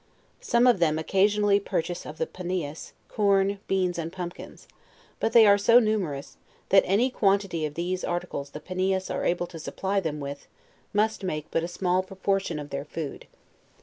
Some of them occasionally purchase of the Panias, corn, beans, and pumpkins; but they are so numerous, that any quantity of these articles the Panias are able to supply them with, must make but a small proportion of their food.